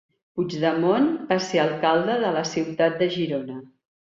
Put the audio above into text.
Puigdemont va ser alcalde de la ciutat de Girona.